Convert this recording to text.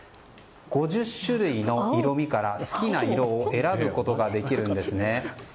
５０種類の色味から好きな色を選ぶことができるんですね。